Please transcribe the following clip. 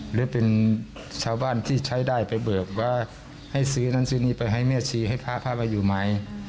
หรือเป็นชาวบ้านที่ใช้ได้ไปเบิกว่าให้ซื้อนั่นซื้อนี่ไปให้แม่ชีให้พระพระมาอยู่ไหม